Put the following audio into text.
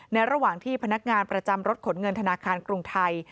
ระหว่างที่พนักงานประจำรถขนเงินธนาคารกรุงไทย